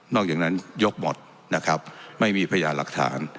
อกจากนั้นยกหมดนะครับไม่มีพยานหลักฐาน